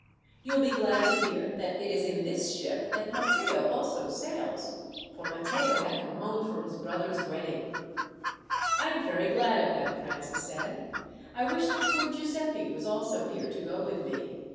"You will be glad to hear that it is in this ship that Matteo also sails," for Matteo had come home for his brother's wedding. "I am very glad of that," Francis said. "I wish that poor Giuseppi was also here to go with me.